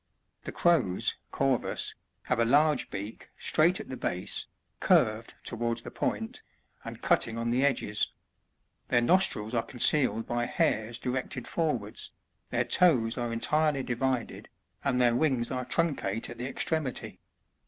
71. The Crows, — ConmSf — have a large beak, straight at the base, curved towards the point, and cutting on the edges ; their nostrils are concealed by hairs directed forwards, their toes are entirely divided, and their wings are truncate at the extremity.